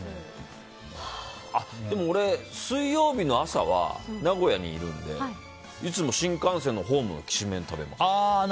でも俺、水曜日の朝は名古屋にいるんでいつも新幹線のホームできしめん食べますね。